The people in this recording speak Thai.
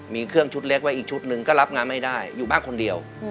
มีเครื่องชุดเล็กไว้อีกชุดหนึ่งก็รับงานไม่ได้อยู่บ้านคนเดียว